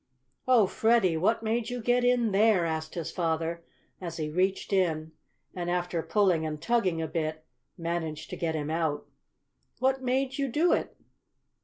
"Oh, Freddie! what made you get in there?" asked his father, as he reached in, and, after pulling and tugging a bit, managed to get him out. "What made you do it?"